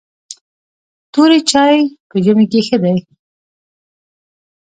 توري چای په ژمي کې ښه دي .